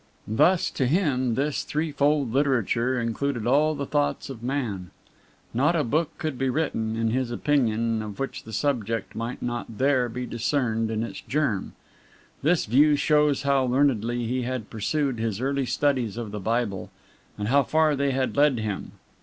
Thus, to him, this threefold literature included all the thoughts of man. Not a book could be written, in his opinion, of which the subject might not there be discerned in its germ. This view shows how learnedly he had pursued his early studies of the Bible, and how far they had led him.